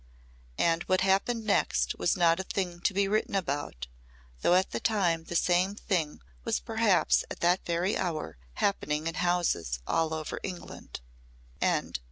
And what happened next was not a thing to be written about though at the time the same thing was perhaps at that very hour happening in houses all over England.